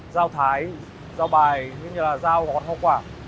dao thái dao bài như là dao gót hoa quả